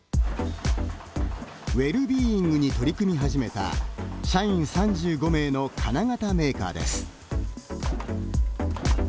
ウェルビーイングに取り組み始めた社員３５名の金型メーカーです。